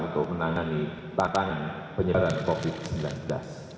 untuk menangani tatanan penyebaran covid sembilan belas